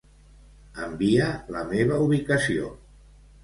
Envia la meva ubicació.